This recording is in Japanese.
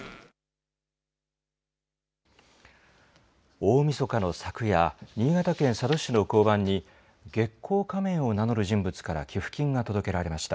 大みそかの昨夜、新潟県佐渡市の交番に月光仮面を名乗る人物から寄付金が届けられました。